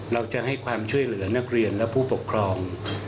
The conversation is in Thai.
เราจะให้ความช่วยเหลือนักเรียนและผู้ปกครอง